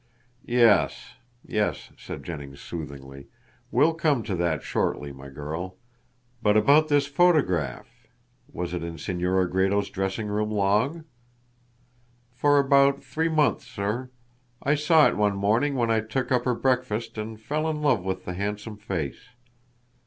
"Yes, yes," said Jennings soothingly, "we'll come to that shortly, my girl. But about this photograph. Was it in Senora Gredos' dressing room long?" "For about three months, sir. I saw it one morning when I took up her breakfast and fell in love with the handsome face.